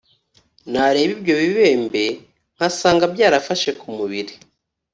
nareba ibyo bibembe nkagasanga byarafashe kumubiri.